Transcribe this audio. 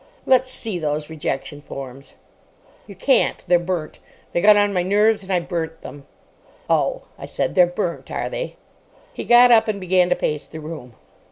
"Let's see those rejection forms." "You can't. They're burnt. They got on my nerves, and I burnt them." "Oh," I said, "they're burnt, are they?" He got up, and began to pace the room.